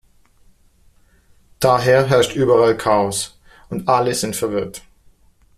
Daher herrscht überall Chaos, und alle sind verwirrt.